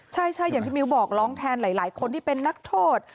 ใช่อย่างที่มิ้วบอกร้องแทนหลายคนที่เป็นนักโทษ